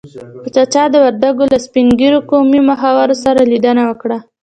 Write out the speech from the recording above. پاچا د وردګو له سپين ږيرو قومي مخورو سره ليدنه وکړه.